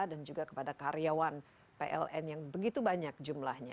dan juga kepada karyawan pln yang begitu banyak jumlahnya